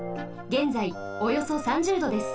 げんざいおよそ３０℃です。